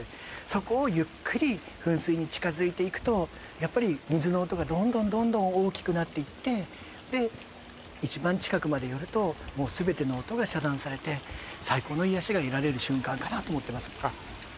そこをゆっくり噴水に近づいていくとやっぱり水の音がどんどんどんどん大きくなっていってで一番近くまで寄るともう全ての音が遮断されて最高の癒やしが得られる瞬間かなと思ってますあっ